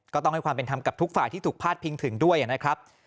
ต้องให้ความเป็นธรรมกับทุกฝ่ายที่ถูกพาดพิงถึงด้วยนะครับ